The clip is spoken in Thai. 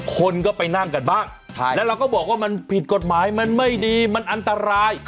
คนก็ไปนั่งกันบ้างแล้วเราก็บอกว่ามันผิดกฎหมายมันไม่ดีมันอันตราย